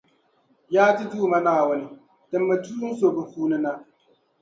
Yaa ti Duuma Naawuni! Timmi tuun’ so bɛ puuni na